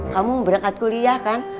kamu berangkat kuliah kan